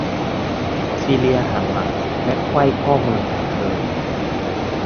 ซีเลียหันหลังและไขว้ข้อมือของเธอ